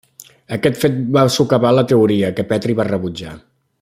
Aquest fet va soscavar la teoria, que Petri va rebutjar.